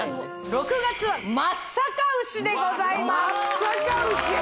６月は松阪牛でございます松阪牛！